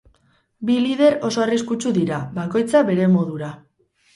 Bi lider oso arriskutsu dira, bakoitza bere modura.